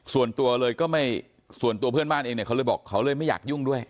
ส่วนตัวเลยก็ไม่ส่วนตัวเพื่อนบ้านเองเนี่ยเขาเลยบอกเขาเลยไม่อยากยุ่งด้วย